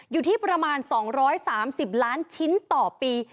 อยู่ที่ประมาณ๒๓๐ล้านชิ้นต่อปี